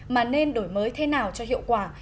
mà nên đổi mới thế nào cho hiệu quả